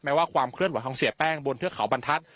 ว่าความเคลื่อนไหวของเสียแป้งบนเทือกเขาบรรทัศน